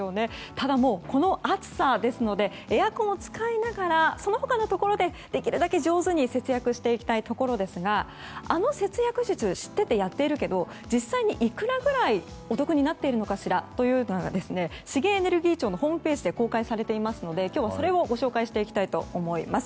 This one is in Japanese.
ただ、もうこの暑さですのでエアコンを使いながらその他のところでできるだけ上手に節約していきたいところですがあの節約術知っててやっているけど実際にいくらくらいお得になっているのかしらというのが資源エネルギー庁ホームページで公開されていますので今日はそれをご紹介していきたいと思います。